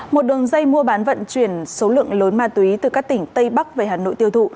một đường dây mua bán vận chuyển số lượng lớn ma túy từ các tỉnh tây bắc về hà nội tiêu thụ